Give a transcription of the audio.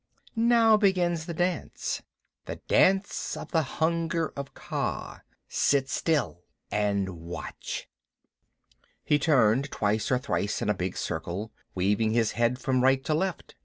Begins now the dance the Dance of the Hunger of Kaa. Sit still and watch." He turned twice or thrice in a big circle, weaving his head from right to left.